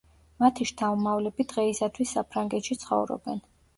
მათი შთამომავლები დღეისათვის საფრანგეთში ცხოვრობენ.